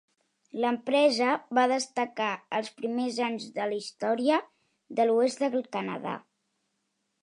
L'empresa va destacar als primers anys de la història de l'Oest del Canadà.